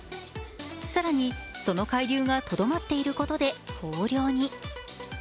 更にその海流がとどまっていることで豊漁に。